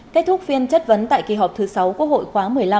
kết thúc phiên chất vấn tại kỳ họp thứ sáu của hội khoáng một mươi năm